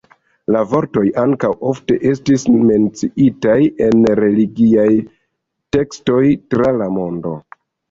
La vortoj ankaŭ ofte estis menciitaj en religiaj tekstoj tra la mondo.